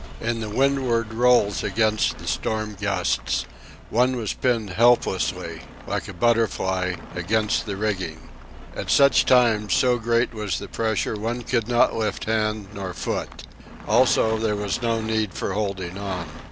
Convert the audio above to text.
In the windward rolls against the storm gusts one was pinned helplessly, like a butterfly, against the rigging. At such times, so great was the pressure one could not lift hand nor foot. Also, there was no need for holding on.